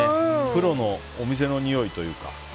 プロのお店のにおいというか。